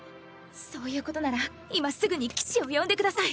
そういうことなら今すぐに騎士を呼んでください。